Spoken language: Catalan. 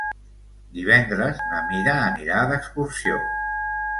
Divendres na Mira anirà d'excursió.